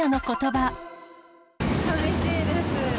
さみしいです。